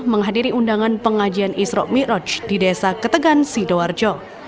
menghadiri undangan pengajian isro miroj di desa ketegan sidoarjo